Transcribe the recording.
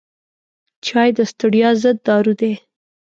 چای د ستړیا ضد دارو دی.